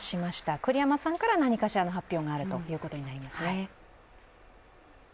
栗山さんから、何かしらの発表があるということになりますね。